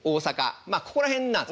まあここら辺なんです。